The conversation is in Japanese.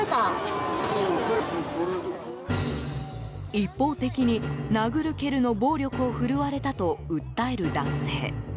一方的に、殴る蹴るの暴力を振るわれたと訴える男性。